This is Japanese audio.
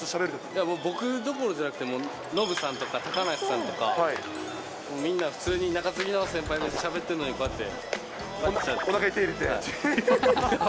いや、もう僕どころじゃなくて、もうのぶさんとか高梨さんとか、みんな普通に中継ぎの先輩がしゃべってんのに、こうやって。